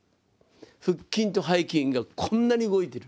腹筋と背筋がこんなに動いてる。